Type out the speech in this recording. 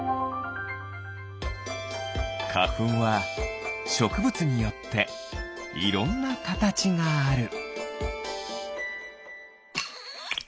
かふんはしょくぶつによっていろんなカタチがある。